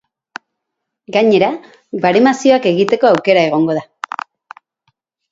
Gainera, baremazioak egiteko aukera egongo da.